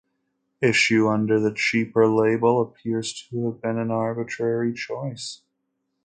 Issue under the cheaper label appears to have been an arbitrary choice.